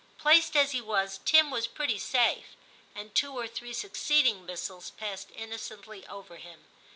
Placed as he was, Tim was pretty safe, and two or three succeeding missiles passed innocently over him.